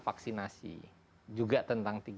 vaksinasi juga tentang